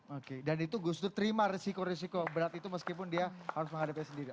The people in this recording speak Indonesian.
oke dan itu gus dur terima resiko resiko berat itu meskipun dia harus menghadapi sendiri